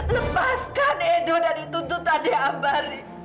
lepaskan edo dari tuntutan diamban